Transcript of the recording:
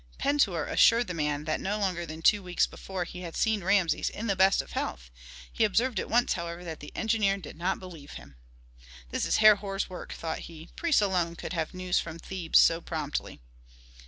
Pentuer assured the man that no longer than two weeks before he had seen Rameses in the best of health. He observed at once, however, that the engineer did not believe him. "This is Herhor's work!" thought he. "Priests alone could have news from Thebes so promptly."